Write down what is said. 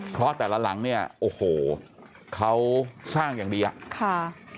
เพราะแต่ละหลังเนี่ยโอ้โหเขาสร้างอย่างดีอ่ะค่ะ